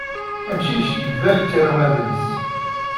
Amcic yebda yettaru adlis.